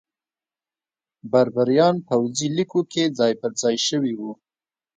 بربریان پوځي لیکو کې ځای پرځای شوي وو.